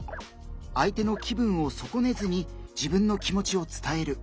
相手の気分を損ねずに自分の気持ちを伝える。